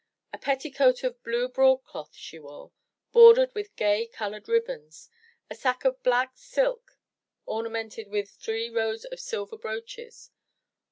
A petticoat of blue broadcloth she wore, bordered with gay colored ribbons, a sack of black silk ornamented with three rows of silver brooches.